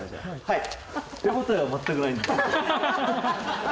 はい。